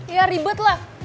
ya ribet lah